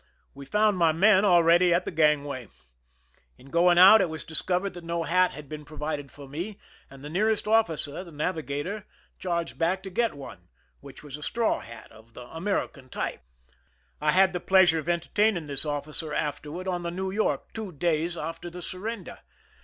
We found my men already at the gang way. In going out, it was discovered that no hat had been provided for me, and the nearest officer, the navigator, charged back to get one, which was a straw hat of the American type. I had the pleasure of entertaining this officer afterward on the New Yorh, two days after the surrender.